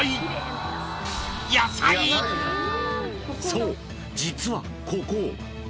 ［そう実はここ］